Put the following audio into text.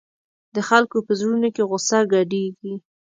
د خلکو په زړونو کې غوسه ګډېږي.